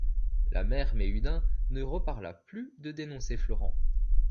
La mère Méhudin ne reparla plus de dénoncer Florent.